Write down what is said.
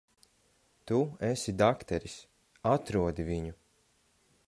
Tu esi dakteris. Atrodi viņu.